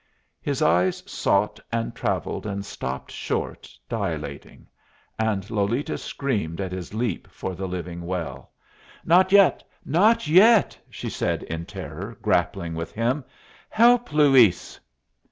His eye sought and travelled, and stopped short, dilating; and Lolita screamed at his leap for the living well. "Not yet! Not yet!" she said in terror, grappling with him. "Help! Luis!"